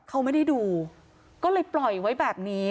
เขาไม่ได้ดูก็เลยปล่อยไว้แบบนี้